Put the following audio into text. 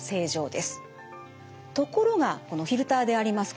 ところがこのフィルターであります